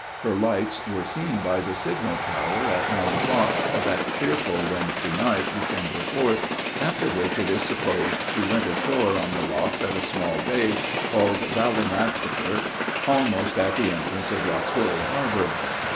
Her lights were seen by the signal tower at nine o'clock of that fearful Wednesday night, December 4th, after which it is supposed she went ashore on the rocks at a small bay called Ballymastaker, almost at the entrance of Lochswilly harbor.